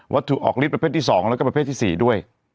ถูกออกฤทธประเภทที่๒แล้วก็ประเภทที่๔ด้วย